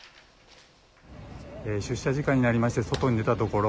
出社時間になりまして外に出たところ